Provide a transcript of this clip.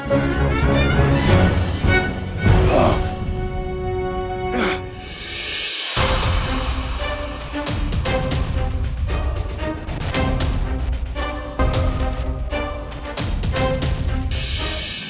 saya beralih lantai